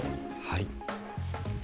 はい。